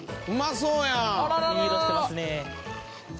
うまそう！